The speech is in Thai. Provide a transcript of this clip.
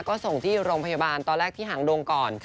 ก็ส่งที่โรงพยาบาลตอนแรกที่หางดงก่อน